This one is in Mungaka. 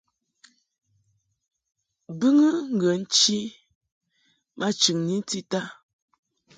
Bɨŋɨ ŋgə nchi ma chɨŋni tita.